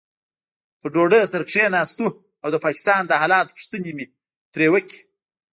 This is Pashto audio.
پر ډوډۍ سره کښېناستو او د پاکستان د حالاتو پوښتنې مې ترې وکړې.